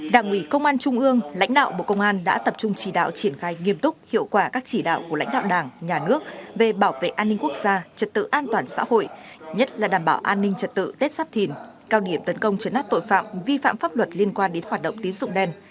đảng ủy công an trung ương lãnh đạo bộ công an đã tập trung chỉ đạo triển khai nghiêm túc hiệu quả các chỉ đạo của lãnh đạo đảng nhà nước về bảo vệ an ninh quốc gia trật tự an toàn xã hội nhất là đảm bảo an ninh trật tự tết sắp thìn cao điểm tấn công chấn áp tội phạm vi phạm pháp luật liên quan đến hoạt động tín dụng đen